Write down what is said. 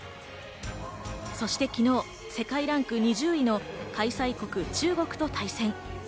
そして昨日、世界ランク２０位の開催国・中国と対戦。